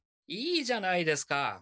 いいじゃないですか。